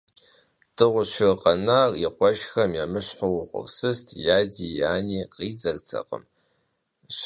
Дыгъужь шыр къэнар и къуэшхэм емыщхьу угъурсызт, и ади и ани къридзэртэкъым, щхьэхуещэт.